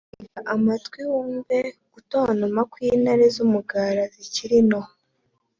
tega amatwi wumve gutontoma kw’intare z’umugara zikiri nto